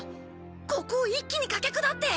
ここを一気に駆け下って。